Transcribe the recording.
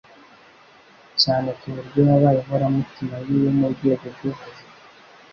cyane ku buryo yabaye inkoramutima ye yo mu Rwego rwo hejuru.